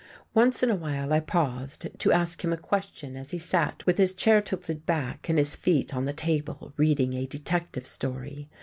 Once in a while I paused to ask him a question as he sat with his chair tilted back and his feet on the table, reading a detective story.